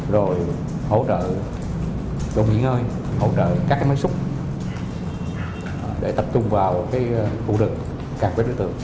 rồi hỗ trợ đồ nghỉ ngơi hỗ trợ các máy xúc để tập trung vào khu rừng các đối tượng